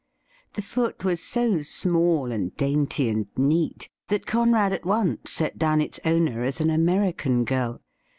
The foot was so small and dainty and neat that Conrad at once set down its owner as an American girl.